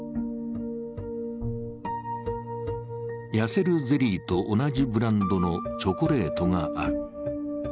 痩せるゼリーと同じブランドのチョコレートがある。